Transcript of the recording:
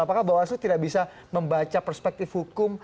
apakah bawaslu tidak bisa membaca perspektif hukum